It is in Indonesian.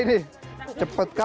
ini dengan keluarga ramai